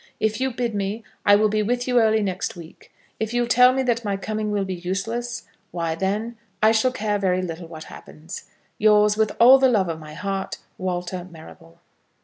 If you bid me, I will be with you early next week. If you tell me that my coming will be useless, why, then, I shall care very little what happens. Yours, with all the love of my heart, WALTER MARRABLE.